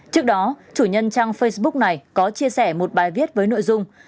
trước đó chủ nhân trang facebook này có chia sẻ một bài viết với nội dung